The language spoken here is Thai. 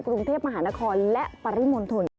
กรุงเทพมหานครและปริมณฑล